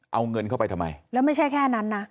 เอาเงินเข้าไปทำไมแล้วไม่ใช่แค่นั้นนะ